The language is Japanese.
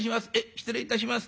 失礼いたします。